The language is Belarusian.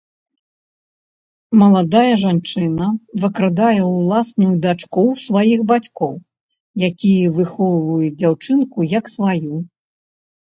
Маладая жанчына выкрадае ўласную дачку ў сваіх бацькоў, якія выхоўваюць дзяўчынку як сваю.